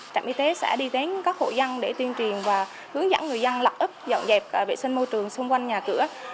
trạm y tế sẽ đi đến các hộ dân để tuyên truyền và hướng dẫn người dân lập ấp dọn dẹp vệ sinh môi trường xung quanh nhà cửa